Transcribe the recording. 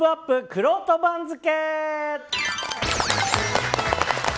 くろうと番付。